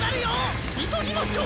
急ぎましょう！